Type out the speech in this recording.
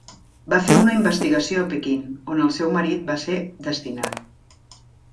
Va fer una investigació a Pequín, on el seu marit va ser destinat.